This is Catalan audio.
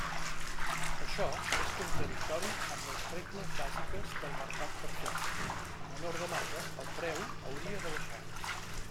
Això és contradictori amb les regles bàsiques del mercat perfecte: a menor demanda el preu hauria de baixar.